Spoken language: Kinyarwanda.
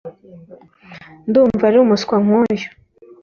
ndumva ari umuswa nkuyu